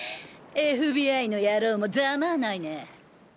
ＦＢＩの野郎もザマァないね！